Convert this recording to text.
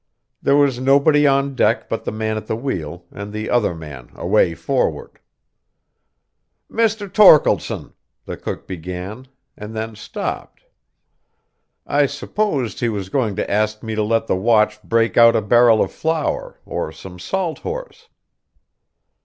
There was nobody on deck but the man at the wheel, and the other man away forward. "Mr. Torkeldsen," the cook began, and then stopped. I supposed he was going to ask me to let the watch break out a barrel of flour, or some salt horse.